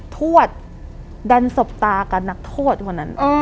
ทวดดันสบตากับนักโทษคนนั้น